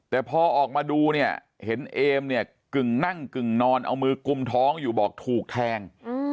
แต่พอออกมาดูเนี่ยเห็นเอมเนี่ยกึ่งนั่งกึ่งนอนเอามือกุมท้องอยู่บอกถูกแทง